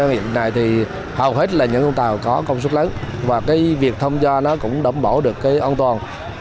hiện nay thì hầu hết là những con tàu có công suất lớn và cái việc tham gia nó cũng đậm bổ được cái an toàn